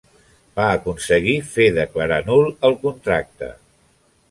Va aconseguir fer declarar nul el contracte.